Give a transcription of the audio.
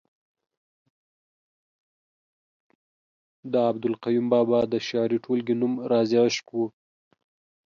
د عبدالقیوم بابا د شعري ټولګې نوم رازِ عشق ؤ